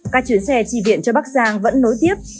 các chuyến xe chi viện cho bắc giang vẫn nối tiếp